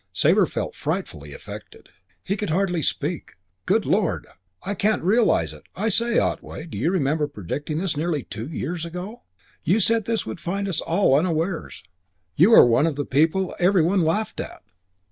Sabre felt frightfully affected. He could hardly speak. "Good Lord. I can't realise it. I say, Otway, do you remember predicting this nearly two years ago? You said this would find us all unawares. You were one of the people every one laughed at."